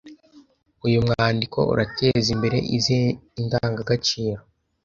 Uyu mwandiko urateza imbere izihe indangagaciro?